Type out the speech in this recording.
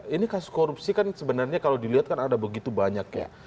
ini kasus korupsi kan sebenarnya kalau dilihat kan ada begitu banyak ya